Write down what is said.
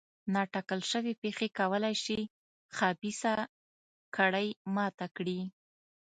نا اټکل شوې پېښې کولای شي خبیثه کړۍ ماته کړي.